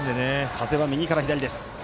風は右から左です。